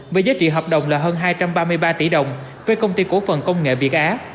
với giá trị hợp đồng là hơn hai trăm ba mươi ba tỷ đồng với công ty cổ phần công nghệ việt á